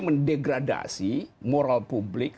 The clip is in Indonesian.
mendegradasi moral publik